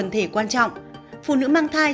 thể quan trọng phụ nữ mang thai